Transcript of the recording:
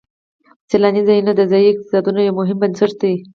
سیلاني ځایونه د ځایي اقتصادونو یو مهم بنسټ دی.